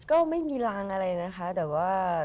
ก็ไม่มีรางอะไรนะคะแต่ว่า